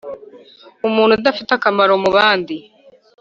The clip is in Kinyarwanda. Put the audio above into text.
umuntu udafite akamaro mubandi